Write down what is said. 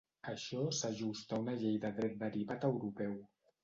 Això s'ajusta a una llei de dret derivat europeu.